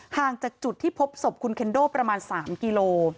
ห่างจากจุดที่พบศพคุณเคนโดประมาณ๓กิโล